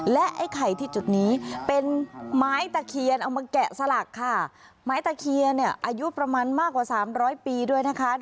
และไอ้ไข่ที่จุดนี้เป็นไม้ตะเคียนเอามาแกะสลักค่ะ